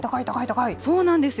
そうなんですよ。